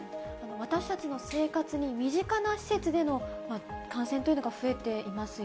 私たちの生活に身近な施設での感染というのが増えていますよ